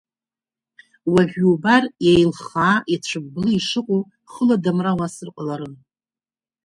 Уажә иубар еилхаа, ицәыбблы ишыҟоу, хыла адамра уасыр ҟаларын.